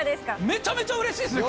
めちゃめちゃ嬉しいですね